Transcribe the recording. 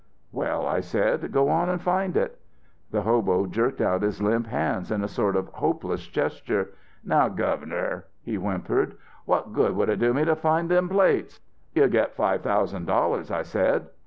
"'Well' I said, 'go on and find it.' "The hobo jerked out his limp hands in a sort of hopeless gesture. "'Now, Governor,' he whimpered, 'what good would it do me to find them plates?' "'You'd get five thousand dollars,' I said.